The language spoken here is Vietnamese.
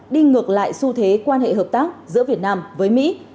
đi ngược lại xu thế quan hệ hợp tác giữa việt nam với mỹ